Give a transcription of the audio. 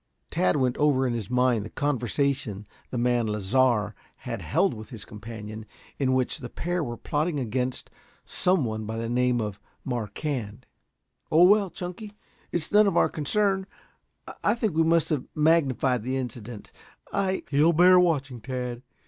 Tad went over in his mind the conversation the man Lasar had held with his companion, in which the pair were plotting against some one by the name of Marquand. "Oh, well, Chunky, it's none of our concern. I think we must have magnified the incident. I " "He'll bear watching, Tad.